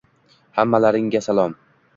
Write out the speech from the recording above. - Hammalaringga salom!